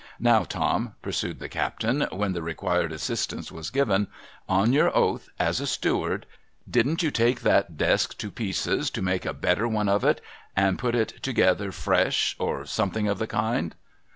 Now, Tom,' pursued the captain, when the required assistance was given, ' on your oath as a steward, didn't you take that desk to pieces to make a better one of it, and put it together fresh, or something of the kind